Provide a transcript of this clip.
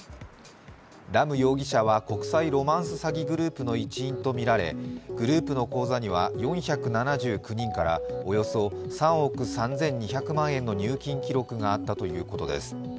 ラム容疑者は国際ロマンス詐欺グループの一員とみられ、グループの口座には４７９人からおよそ３億３２００万円の入金記録があったということです。